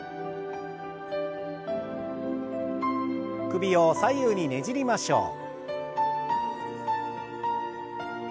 首を左右にねじりましょう。